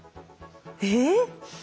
えっ。